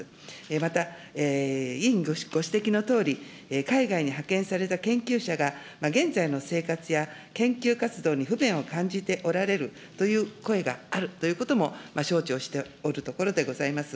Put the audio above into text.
また、委員ご指摘のとおり、海外に派遣された研究者が現在の生活や研究活動に不便を感じておられるという声があるということも承知をしておるところでございます。